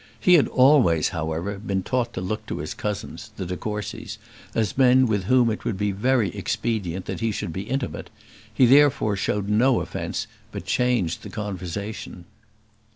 He had always, however, been taught to look to his cousins, the de Courcys, as men with whom it would be very expedient that he should be intimate; he therefore showed no offence, but changed the conversation.